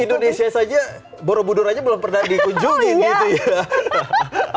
di indonesia saja borobudur aja belum pernah dikunjungi gitu ya